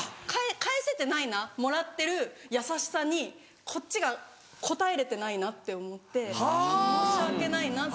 返せてないなもらってる優しさにこっちが応えれてないなって思って申し訳ないなって。